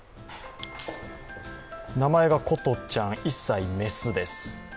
名前が琴ちゃん、１歳雌です。